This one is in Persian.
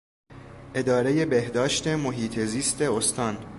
ادارهٔ بهداشت محیط زیست استان